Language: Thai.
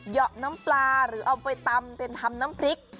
น้ำปลาหรือเอาไปตำเป็นทำน้ำพริก